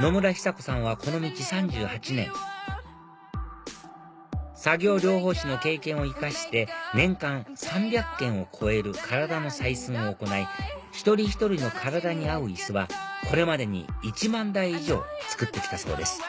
野村寿子さんはこの道３８年作業療法士の経験を生かして年間３００件を超える体の採寸を行い一人一人の体に合う椅子はこれまでに１万台以上作って来たそうです